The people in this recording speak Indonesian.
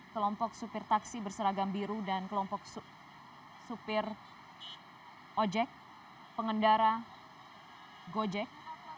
kelompok supir taksi berseragam biru dan kelompok supir ojek pengendara gojek